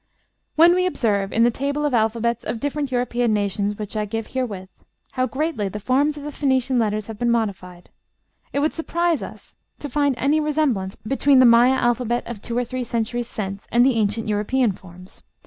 When we observe, in the table of alphabets of different European nations which I give herewith, how greatly the forms of the Phoenician letters have been modified, it would surprise us to find any resemblance between the Maya alphabet of two or three centuries since and the ancient European forms.